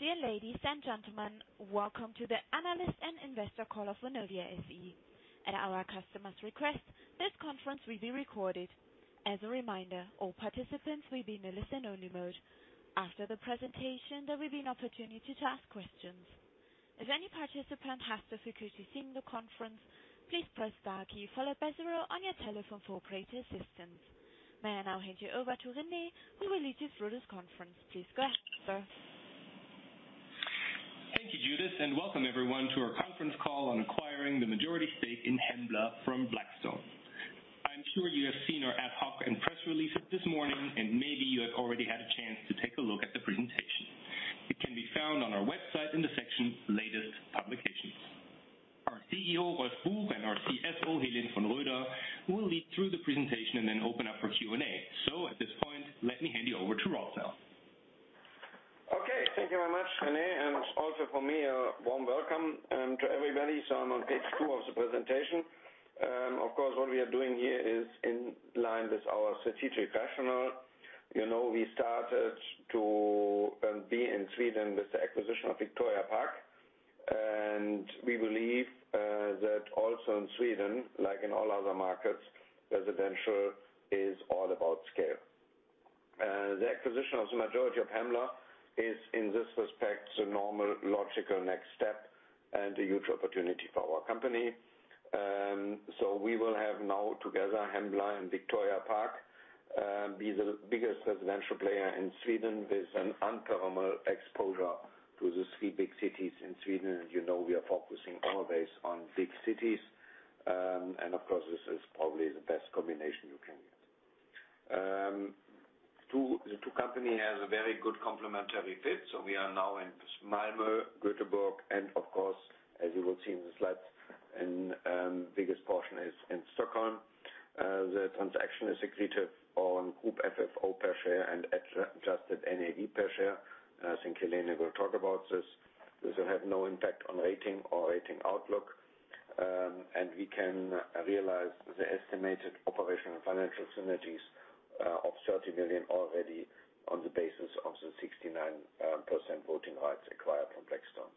Dear ladies and gentlemen, welcome to the analyst and investor call for Vonovia SE. At our customer's request, this conference will be recorded. As a reminder, all participants will be in a listen-only mode. After the presentation, there will be an opportunity to ask questions. If any participant has difficulty seeing the conference, please press star key followed by zero on your telephone for operator assistance. May I now hand you over to Rene, who will lead you through this conference. Please go ahead, sir. Thank you, Judith, and welcome everyone to our conference call on acquiring the majority stake in Hembla from Blackstone. I'm sure you have seen our ad hoc and press releases this morning, and maybe you have already had a chance to take a look at the presentation. It can be found on our website in the section Latest Publications. Our CEO, Rolf Buch, and our CFO, Helene von Roeder, will lead through the presentation and then open up for Q&A. At this point, let me hand you over to Rolf now. Okay, thank you very much, Rene, and also from me, a warm welcome to everybody. I'm on page two of the presentation. Of course, what we are doing here is in line with our strategic rationale. We started to be in Sweden with the acquisition of Victoria Park. We believe that also in Sweden, like in all other markets, residential is all about scale. The acquisition of the majority of Hembla is in this respect, the normal logical next step and a huge opportunity for our company. We will have now together, Hembla and Victoria Park, be the biggest residential player in Sweden with an unparalleled exposure to the three big cities in Sweden. As you know, we are focusing always on big cities. Of course, this is probably the best combination you can get. The two company has a very good complementary fit, so we are now in Malmo, Gothenburg, and of course, as you will see in the slides, and biggest portion is in Stockholm. The transaction is accretive on Group FFO per share and adjusted NAV per share. I think Helene will talk about this. This will have no impact on rating or rating outlook. We can realize the estimated operational and financial synergies of 30 million already on the basis of the 69% voting rights acquired from Blackstone.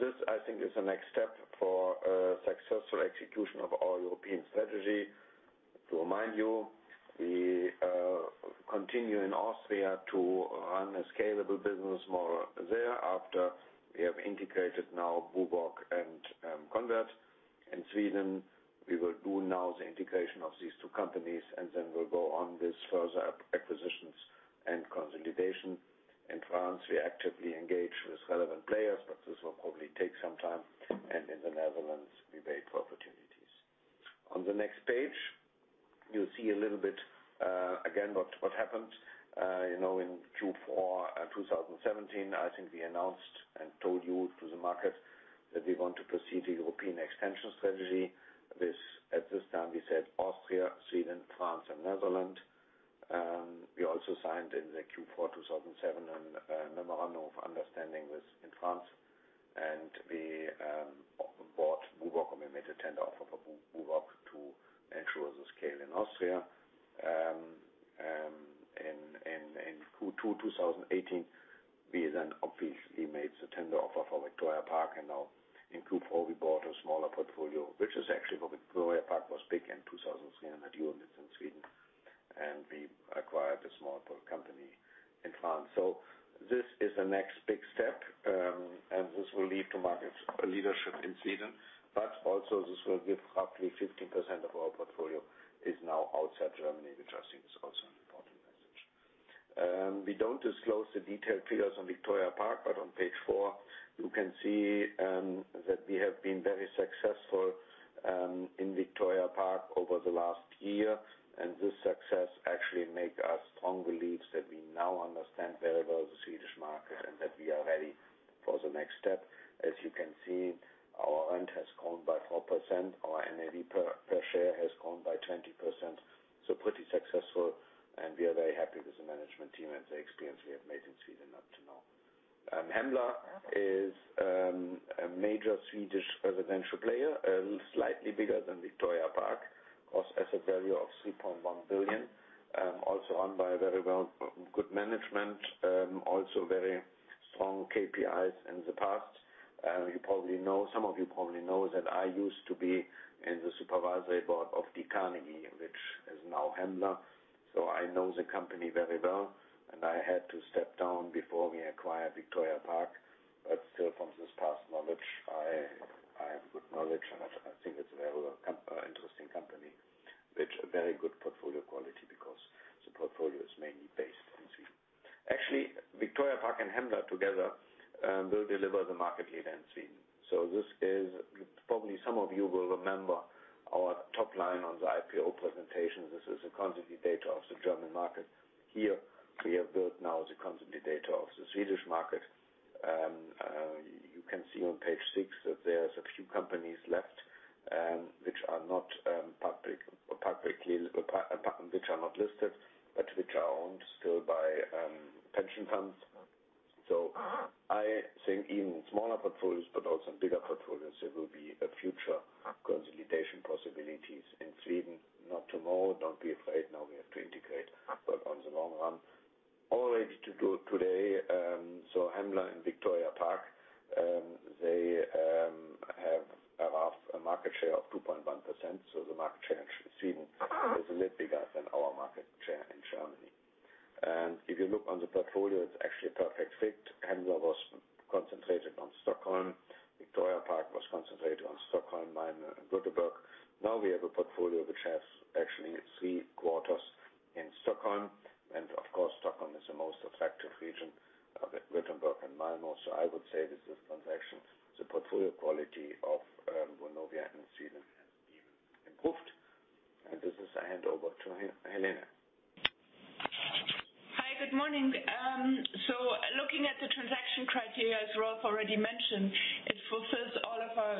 This, I think is the next step for successful execution of our European strategy. To remind you, we continue in Austria to run a scalable business model there after we have integrated now BUWOG and conwert. In Sweden, we will do now the integration of these two companies, and then we'll go on with further acquisitions and consolidation. In France, we actively engage with relevant players, but this will probably take some time. In the Netherlands, we wait for opportunities. On the next page, you'll see a little bit, again, what happened. In Q4 2017, I think we announced and told you to the market that we want to proceed to European extension strategy. At this time, we said Austria, Sweden, France, and Netherlands. We also signed in the Q4 2007, a memorandum of understanding with France. We bought BUWOG, and we made a tender offer for BUWOG to ensure the scale in Austria. In Q2 2018, we then obviously made the tender offer for Victoria Park and now in Q4, we bought a smaller portfolio, which is actually what Victoria Park was big in 2003, had units in Sweden. We acquired a small company in France. This is the next big step, and this will lead to market leadership in Sweden. Also this will give roughly 15% of our portfolio is now outside Germany, which I think is also an important message. We don't disclose the detailed figures on Victoria Park, but on page 4, you can see that we have been very successful in Victoria Park over the last year. This success actually make us strong beliefs that we now understand very well the Swedish market and that we are ready for the next step. As you can see, our rent has grown by 4%. Our NAV per share has grown by 20%. Pretty successful, and we are very happy with the management team and the experience we have made in Sweden up to now. Hembla is a major Swedish residential player, slightly bigger than Victoria Park. Asset value of 3.1 billion. Owned by a very good management. Very strong KPIs in the past. Some of you probably know that I used to be in the supervisory board of D. Carnegie & Co, which is now Hembla. I know the company very well, and I had to step down before we acquired Victoria Park. Still from this past knowledge, I have good knowledge, and I think it's a very interesting company with a very good portfolio quality because the portfolio is mainly based in Sweden. Actually, Victoria Park and Hembla together will deliver the market lead in Sweden. Probably some of you will remember our top line on the IPO presentation. This is the consolidated data of the German market. Here, we have built now the consolidated data of the Swedish market. You can see on page six that there's a few companies left, which are not listed, but which are owned still Pension funds. I think even smaller portfolios, but also bigger portfolios, there will be a future consolidation possibilities in Sweden. Not tomorrow, don't be afraid. Now we have to integrate. On the long run, all ready to go today. Hembla and Victoria Park, they have a rough market share of 2.1%. The market share in Sweden is a little bigger than our market share in Germany. If you look on the portfolio, it's actually a perfect fit. Hembla was concentrated on Stockholm. Victoria Park was concentrated on Stockholm, Malmö, and Gothenburg. Now we have a portfolio which has actually three quarters in Stockholm. Of course, Stockholm is the most attractive region, Gothenburg and Malmö. I would say with this transaction, the portfolio quality of Vonovia in Sweden has been improved. With this, I hand over to Helene. Hi. Good morning. Looking at the transaction criteria, as Rolf already mentioned, it fulfills all of our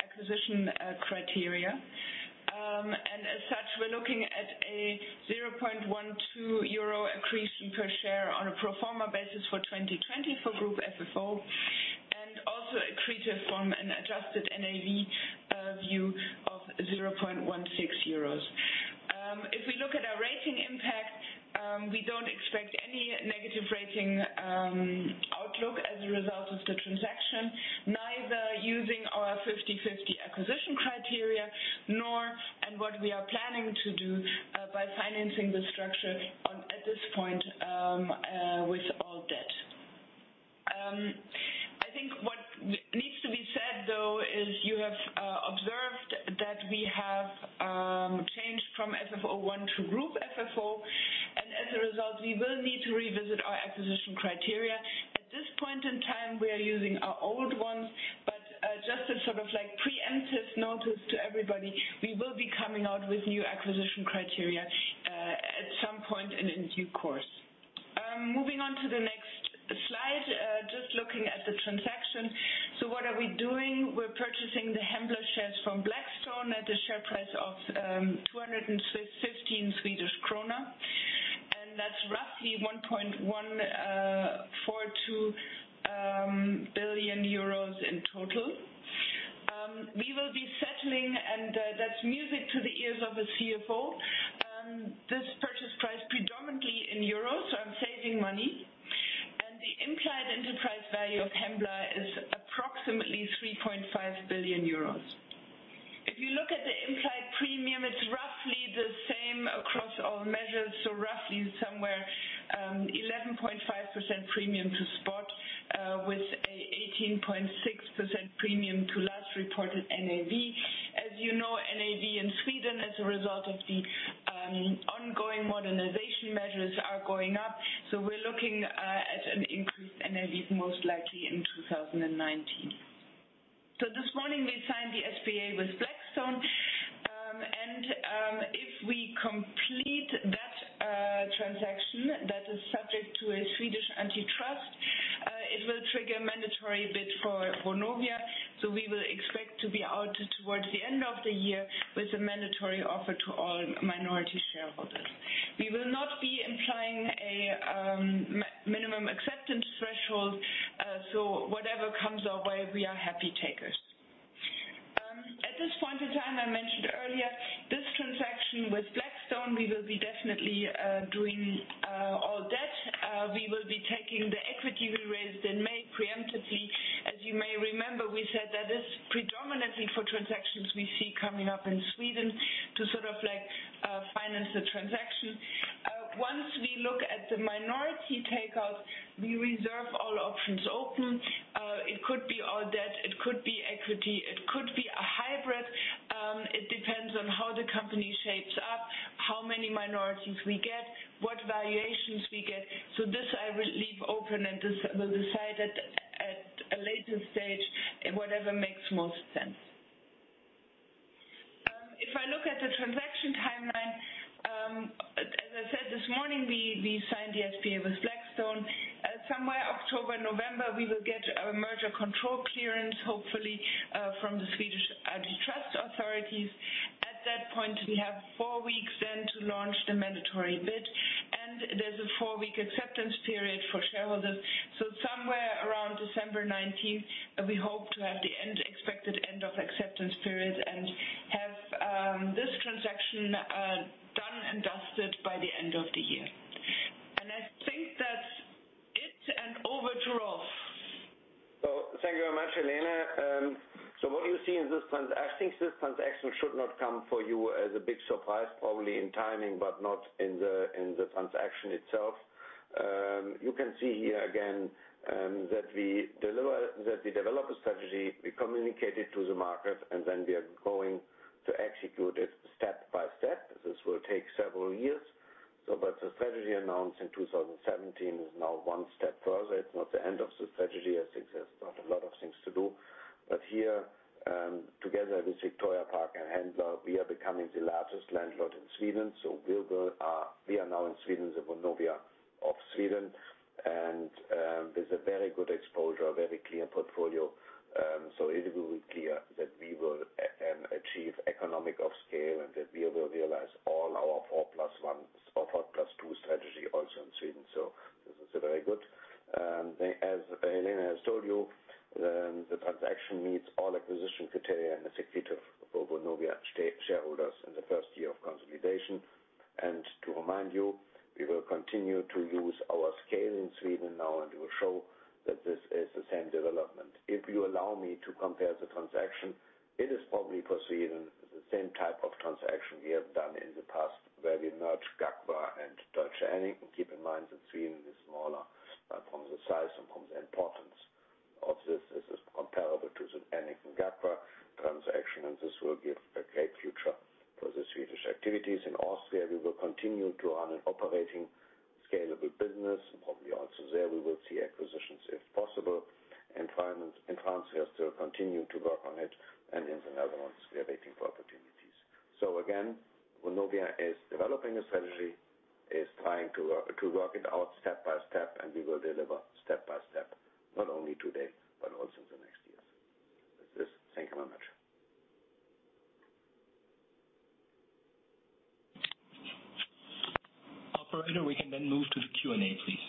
acquisition criteria. As such, we're looking at a 0.12 euro increase in per share on a pro forma basis for 2020 for Group FFO, and also accretive from an adjusted NAV view of 0.16 euros. If we look at our rating impact, we don't expect any negative rating outlook as a result of the transaction, neither using our 50/50 acquisition criteria, nor in what we are planning to do by financing the structure at this point with all debt. I think what needs to be said, though, is you have observed that we have changed from FFO1 to Group FFO, and as a result, we will need to revisit our acquisition criteria. At this point in time, we are using our old ones, but just a preemptive notice to everybody, we will be coming out with new acquisition criteria at some point in due course. Moving on to the next slide. Just looking at the transaction. What are we doing? We're purchasing the Hembla shares from Blackstone at a share price of 215 Swedish kronor, That's roughly 1.142 billion euros in total. We will be settling, That's music to the ears of a CFO, this purchase price predominantly in EUR, I'm saving money. The implied enterprise value of Hembla is approximately 3.5 billion euros. If you look at the implied premium, it's roughly the same across all measures, roughly somewhere 11.5% premium to spot, with a 18.6% premium to last reported NAV. As you know, NAV in Sweden as a result of the ongoing modernization measures are going up. We're looking at an increased NAV most likely in 2019. This morning we signed the SPA with Blackstone, and if we complete that transaction, that is subject to a Swedish antitrust, it will trigger a mandatory bid for Vonovia. We will expect to be out towards the end of the year with a mandatory offer to all minority shareholders. We will not be implying a minimum acceptance threshold, whatever comes our way, we are happy takers. At this point in time, I mentioned earlier this transaction with Blackstone, we will be definitely doing all debt. We will be taking the equity we raised in May preemptively. As you may remember, we said that is predominantly for transactions we see coming up in Sweden to finance the transaction. Once we look at the minority takeout, we reserve all options open. It could be all debt, it could be equity, it could be a hybrid. It depends on how the company shapes up, how many minorities we get, what valuations we get. This I will leave open and we'll decide at a later stage whatever makes most sense. If I look at the transaction timeline, as I said, this morning, we signed the SPA with Blackstone. Somewhere October, November, we will get our merger control clearance, hopefully, from the Swedish antitrust authorities. At that point, we have four weeks then to launch the mandatory bid, and there's a four-week acceptance period for shareholders. Somewhere around December 19th, we hope to have the expected end of acceptance period and have this transaction done and dusted by the end of the year. I think that it's an overture of. Thank you very much, Helene. What you see in this transaction, I think this transaction should not come for you as a big surprise, probably in timing, but not in the transaction itself. You can see here again that we develop a strategy, we communicate it to the market, and then we are going to execute it step by step. This will take several years. The strategy announced in 2017 is now one step further. It's not the end of the strategy. I think there's still a lot of things to do. Here, together with Victoria Park and Hembla, we are becoming the largest landlord in Sweden. We are now in Sweden, the Vonovia of Sweden, and with a very good exposure, a very clear portfolio. It will be aEconomic of scale and that we will realize all our four plus one or four plus two strategy also in Sweden. This is very good. As Helene has told you, the transaction meets all acquisition criteria and is a feat of Vonovia shareholders in the first year of consolidation. To remind you, we will continue to use our scale in Sweden now, and we will show that this is the same development. If you allow me to compare the transaction, it is probably for Sweden, the same type of transaction we have done in the past where we merged GAGFAH and Deutsche Annington. Keep in mind that Sweden is smaller from the size and from the importance of this. This is comparable to the Annington GAGFAH transaction, and this will give a great future for the Swedish activities. In Austria, we will continue to run an operating scalable business. Probably also there we will see acquisitions if possible. In France, we are still continuing to work on it. In the Netherlands, we are waiting for opportunities. Again, Vonovia is developing a strategy, is trying to work it out step by step. We will deliver step by step, not only today, but also in the next years. That's it. Thank you very much. Operator, we can then move to the Q&A, please.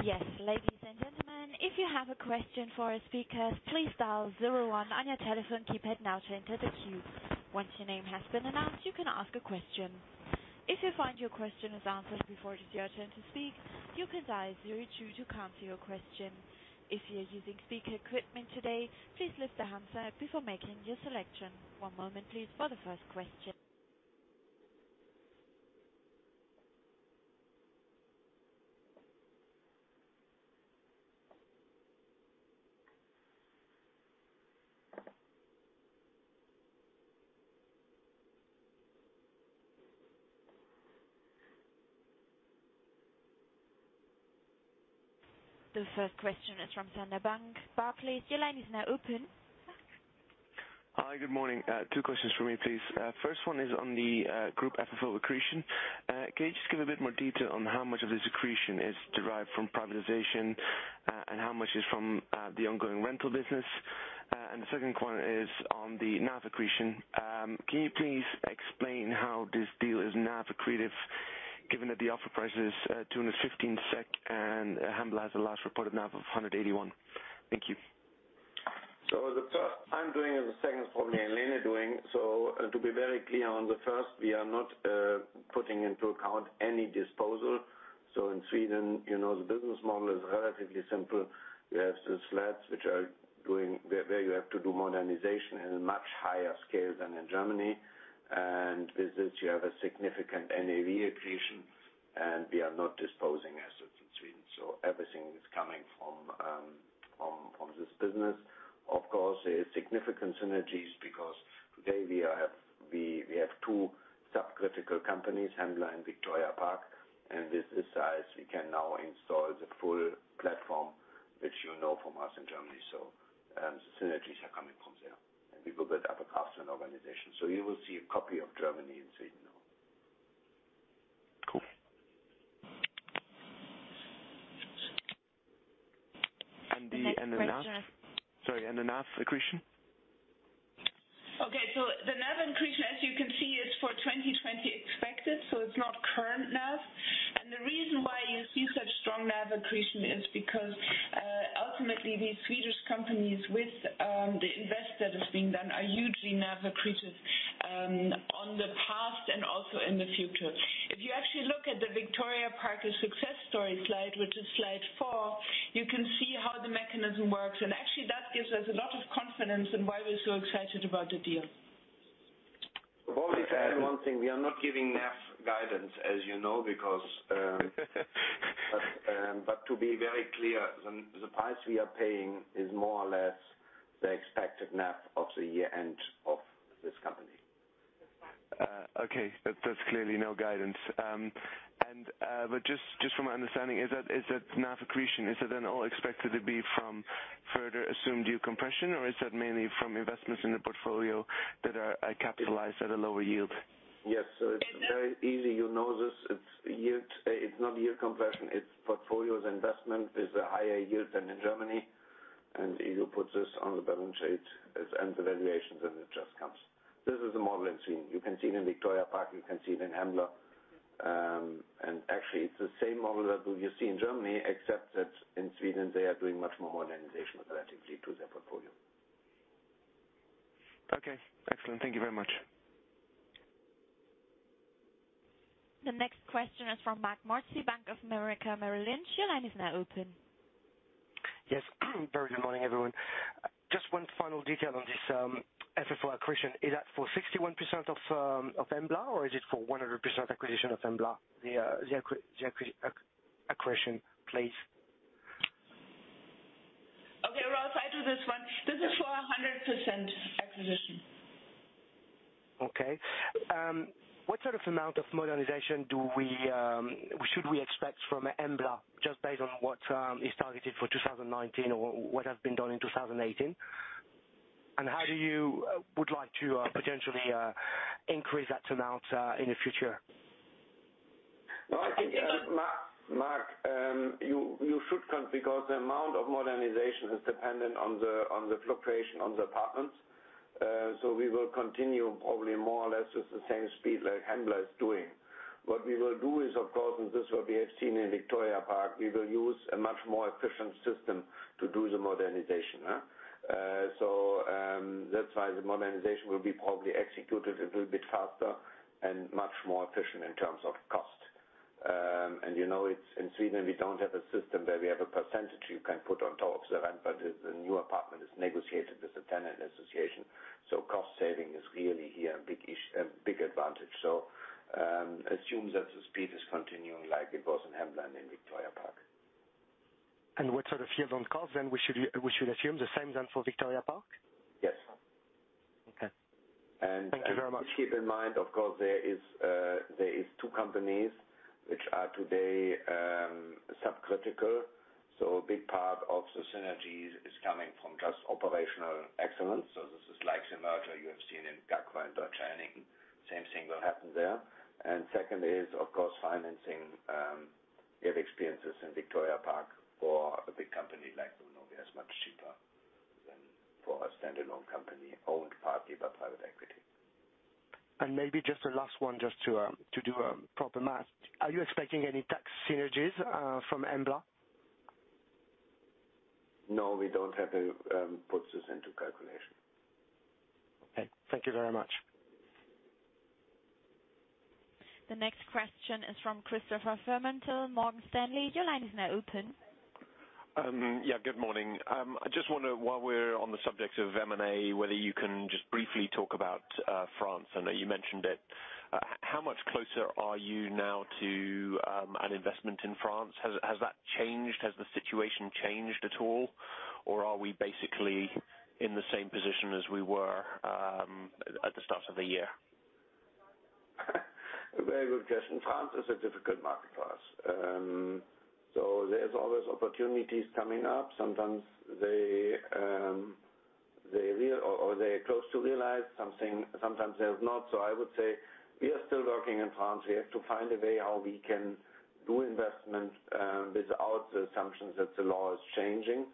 Yes, ladies and gentlemen, if you have a question for our speakers, please dial zero-one on your telephone keypad now to enter the queue. Once your name has been announced, you can ask a question. If you find your question is answered before it is your turn to speak, you can dial zero-two to cancel your question. If you are using speaker equipment today, please lift the handset before making your selection. One moment, please, for the first question. The first question is from Sander Bank, Barclays. Your line is now open. Hi, good morning. Two questions from me, please. First one is on the Group FFO accretion. Can you just give a bit more detail on how much of this accretion is derived from privatization, and how much is from the ongoing rental business? The second one is on the NAV accretion. Can you please explain how this deal is NAV accretive given that the offer price is 215 SEK and Hembla has a last reported NAV of 181. Thank you. The first I'm doing and the second is probably Helene doing. To be very clear on the first, we are not putting into account any disposal. In Sweden, the business model is relatively simple. We have the flats where you have to do modernization in a much higher scale than in Germany. With this you have a significant NAV accretion, and we are not disposing assets in Sweden. Everything is coming from this business. Of course, there is significant synergies because today we have two subcritical companies, Hembla and Victoria Park, and with this size we can now install the full platform, which you know from us in Germany. The synergies are coming from there. We will build up a custom organization. You will see a copy of Germany in Sweden now. Cool. The NAV accretion? Okay. The NAV accretion, as you can see, is for 2020 expected, so it's not current NAV. The reason why you see such strong NAV accretion is because ultimately these Swedish companies with the invest that is being done are hugely NAV accretive on the past and also in the future. If you actually look at the Victoria Park success story slide, which is slide four, you can see how the mechanism works. Actually that gives us a lot of confidence in why we're so excited about the deal. I want to add one thing. We are not giving NAV guidance as you know. To be very clear, the price we are paying is more or less the expected NAV of the year-end of this company. Okay. That's clearly no guidance. Just from my understanding, is that NAV accretion, is it then all expected to be from further assumed yield compression, or is that mainly from investments in the portfolio that are capitalized at a lower yield? Yes. It's very easy. You know this. It's not yield compression, it's portfolios investment is a higher yield than in Germany. You put this on the balance sheet and the valuations, and it just comes. This is the model in Sweden. You can see it in Victoria Park, you can see it in Hembla. Actually it's the same model that you see in Germany except that in Sweden they are doing much more modernization relatively to their portfolio. Okay. Excellent. Thank you very much. The next question is from Marc Mozzi, Bank of America Merrill Lynch. Your line is now open. Yes. Very good morning, everyone. Just one final detail on this FFO accretion. Is that for 61% of Hembla, or is it for 100% acquisition of Hembla? The accretion, please. Okay, Rolf, I do this one. This is for 100% acquisition. Okay. What sort of amount of modernization should we expect from Hembla, just based on what is targeted for 2019 or what has been done in 2018? How would you like to potentially increase that amount in the future? Marc, you should count because the amount of modernization is dependent on the fluctuation on the apartments. We will continue probably more or less with the same speed like Hembla is doing. What we will do is, of course, and this what we have seen in Victoria Park, we will use a much more efficient system to do the modernization. That's why the modernization will be probably executed a little bit faster and much more efficient in terms of cost. You know, in Sweden, we don't have a system where we have a % you can put on top of the rent, but the new apartment is negotiated with the tenant association. Cost saving is really here a big advantage. Assume that the speed is continuing like it was in Hembla and in Victoria Park. What sort of yield on cost then we should assume the same then for Victoria Park? Yes. Okay. Thank you very much. Keep in mind, of course, there is two companies which are today subcritical. A big part of the synergies is coming from just operational excellence. This is like the merger you have seen in GAGFAH and Deutsche Annington. Same thing will happen there. Second is, of course, financing. We have experiences in Victoria Park for a big company like Vonovia, it's much cheaper than for a standalone company owned partly by private equity. Maybe just a last one, just to do a proper math. Are you expecting any tax synergies from Hembla? No, we don't have to put this into calculation. Okay. Thank you very much. The next question is from Christopher Fremantle, Morgan Stanley. Your line is now open. Yeah. Good morning. I just wonder, while we're on the subject of M&A, whether you can just briefly talk about France. I know you mentioned it. How much closer are you now to an investment in France? Has that changed? Has the situation changed at all? Or are we basically in the same position as we were at the start of the year? A very good question. France is a difficult market for us. There's always opportunities coming up. Sometimes they realize or they're close to realize, sometimes they're not. I would say we are still working in France. We have to find a way how we can do investment without the assumptions that the law is changing.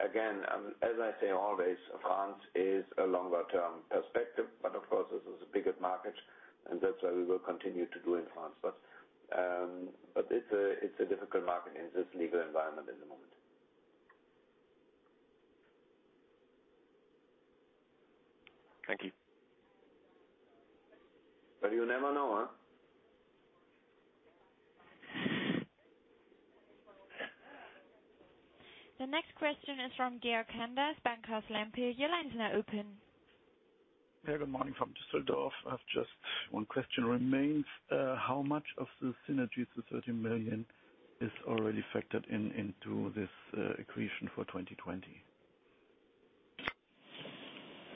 Again, as I say always, France is a longer-term perspective, of course, this is the biggest market, and that's why we will continue to do in France. It's a difficult market in this legal environment at the moment. Thank you. You never know, huh? The next question is from Georg Kanders, Bankhaus Lampe. Your line is now open. Yeah. Good morning from Düsseldorf. I have just one question remains. How much of the synergies, the 30 million, is already factored into this accretion for 2020?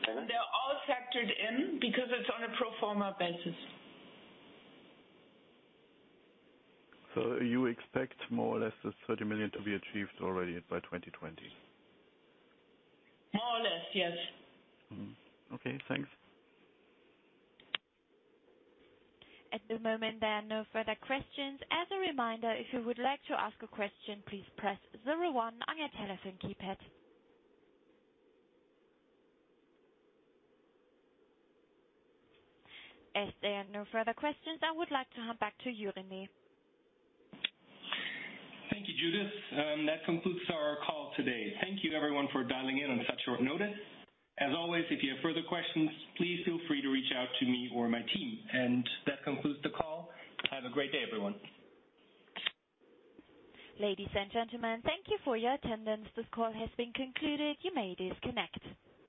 They're all factored in because it's on a pro forma basis. You expect more or less the 30 million to be achieved already by 2020? More or less, yes. Okay, thanks. At the moment, there are no further questions. As a reminder, if you would like to ask a question, please press 01 on your telephone keypad. As there are no further questions, I would like to hand back to you, Rene. Thank you, Judith. That concludes our call today. Thank you everyone for dialing in on such short notice. As always, if you have further questions, please feel free to reach out to me or my team. That concludes the call. Have a great day, everyone. Ladies and gentlemen, thank you for your attendance. This call has been concluded. You may disconnect.